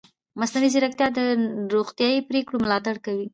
مصنوعي ځیرکتیا د روغتیايي پریکړو ملاتړ کوي.